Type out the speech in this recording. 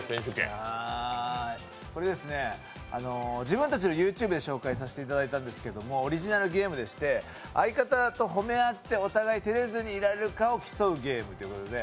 これですね、自分たちのＹｏｕＴｕｂｅで紹介させていただいたんですけどオリジナルゲームでして相方と褒め合ってお互い照れずにいられるかを競うゲームということで。